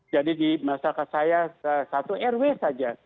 jadi di masyarakat saya satu airway saja